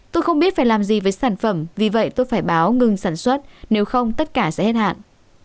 tôi không biết phải làm gì với sản phẩm vì vậy tôi phải báo ngừng sản xuất nếu không tất cả sẽ hết hạn